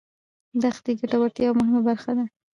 دښتې د ګټورتیا یوه مهمه برخه ده.